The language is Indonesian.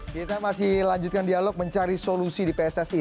kita masih lanjutkan dialog mencari solusi di pssi